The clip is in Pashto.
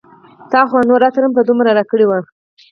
تا خو هغه نور عطر په دومره راکړي و